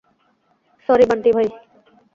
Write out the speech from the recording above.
Sorry, বান্টি-ভাই।